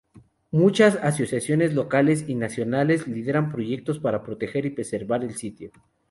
Muchas asociaciones locales y nacionales lideran proyectos para proteger y preservar el sitio.